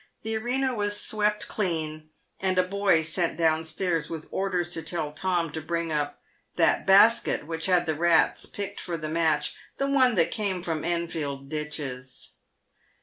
The arena was swept clean, and a boy sent down stairs with orders to tell Tom to bring up " that basket which had the rats picked for the match — the one that came from Enfield ditches."